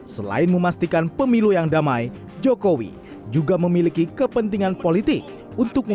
selain memastikan pemilu yang damai jokowi juga memiliki kepentingan politik